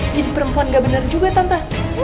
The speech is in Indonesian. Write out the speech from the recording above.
jadi perempuan gak bener juga tante